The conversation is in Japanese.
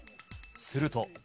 すると。